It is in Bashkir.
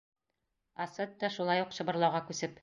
Асет тә шулай уҡ шыбырлауға күсеп: